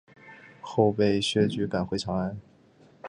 后被薛举赶回长安。